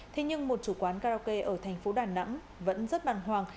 thế nhưng một chủ quán karaoke ở thành phố đà nẵng vẫn rất bàng hoàng